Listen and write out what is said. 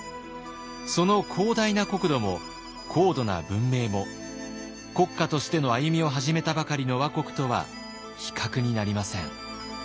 その広大な国土も高度な文明も国家としての歩みを始めたばかりの倭国とは比較になりません。